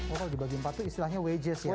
oh kalau dibagi empat itu istilahnya wages ya